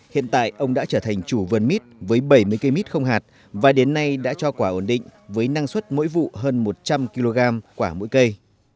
hiện tại ông đã trở thành chủ vườn mít với bảy mươi cây mít không hạt và đến nay đã cho quả ổn định với năng suất mỗi vụ hơn một trăm linh kg quả mỗi cây